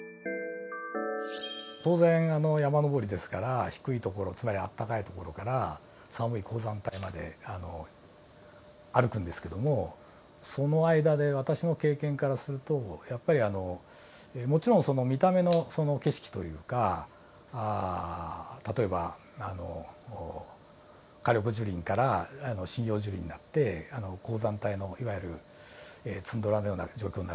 当然山登りですから低い所つまりあったかい所から寒い高山帯まで歩くんですけどもその間で私の経験からするとやっぱりもちろん見た目の景色というか例えば夏緑樹林から針葉樹林になって高山帯のいわゆるツンドラのような状況になると。